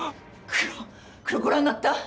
黒黒ご覧になった？